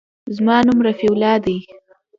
زما نوم رفيع الله دى.